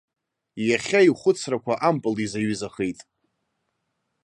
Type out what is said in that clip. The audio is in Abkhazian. Иахьа ихәыцрақәа ампыл изаҩызахеит.